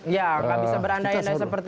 ya nggak bisa berandai andai seperti